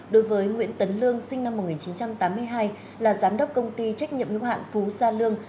đối với nguyễn tấn lương sinh năm một nghìn chín trăm tám mươi hai là giám đốc công ty trách nhiệm hưu hạn phú gia lương